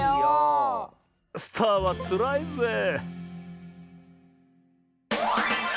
スターはつらいぜえ。